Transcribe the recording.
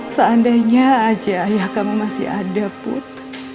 seandainya aja ayah kamu masih ada put